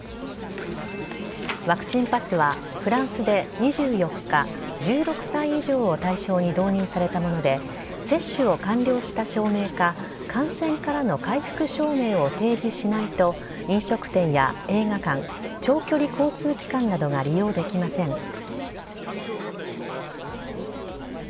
ワクチンパスはフランスで２４日、１６歳以上を対象に導入されたもので、接種を完了した証明か、感染からの回復証明を提示しないと、飲食店や映画館、長距離交通機関などが利用できません。